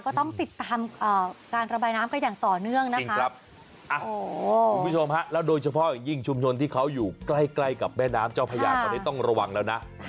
ก็ต้องติดตามการระบายน้ำกันอย่างต่อเนื่องนะครับคุณผู้ชมฮะแล้วโดยเฉพาะอย่างยิ่งชุมชนที่เขาอยู่ใกล้ใกล้กับแม่น้ำเจ้าพญาตอนนี้ต้องระวังแล้วนะ